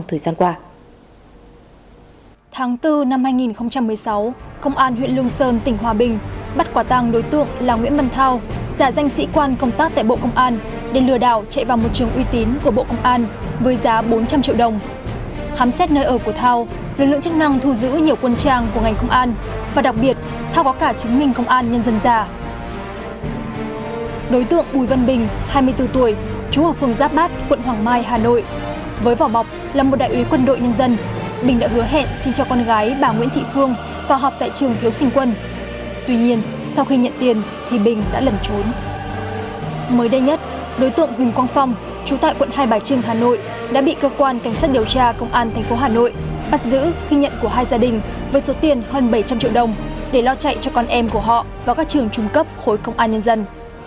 mới đây nhất đối tượng huỳnh quang phong trú tại quận hai bài trưng hà nội đã bị cơ quan cảnh sát điều tra công an thành phố hà nội bắt giữ khi nhận của hai gia đình với số tiền hơn bảy trăm linh triệu đồng để lo chạy cho con em của họ vào các trường trung cấp khối công an nhân dân